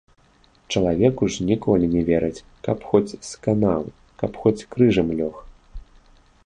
Чалавеку ж ніколі не вераць, каб хоць сканаў, каб хоць крыжам лёг.